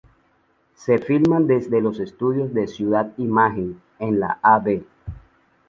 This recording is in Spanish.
Se filma desde los estudios de "Ciudad Imagen" en la Av.